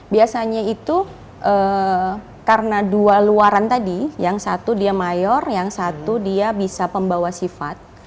biasanya itu karena dua luaran tadi yang satu dia mayor yang satu dia bisa pembawa sifat